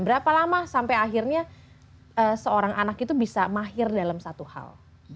berapa lama sampai akhirnya seorang anak itu bisa mahir dalam satu hal